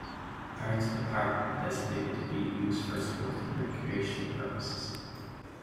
Parts of the Parks were designated to be used for sports and recreational purposes.